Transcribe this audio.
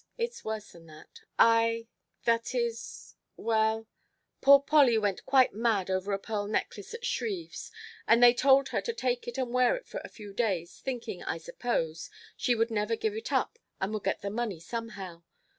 It's worse than that. I that is well poor Polly went quite mad over a pearl necklace at Shreve's and they told her to take it and wear it for a few days, thinking, I suppose, she would never give it up and would get the money somehow.